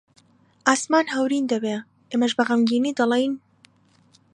ئاسمان هەورین دەبێ، ئێمەش بە غەمگینی دەڵێین: